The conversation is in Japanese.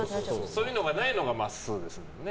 そういうのがないのがまっすーですもんね。